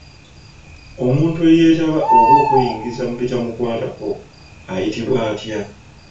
Omuntu eyeetaba oba okweyingiza mu bitamukwatako ayitibwa atya?